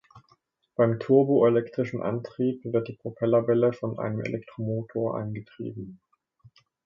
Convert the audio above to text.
Beim "turbo-elektrischen Antrieb" wird die Propellerwelle von einem Elektromotor angetrieben.